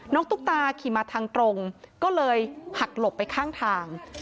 ตุ๊กตาขี่มาทางตรงก็เลยหักหลบไปข้างทาง